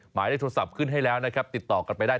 หมายเลขโทรศัพท์ขึ้นให้แล้วนะครับติดต่อกันไปได้